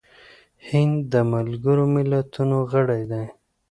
هند د ملګرو ملتونو غړی دی.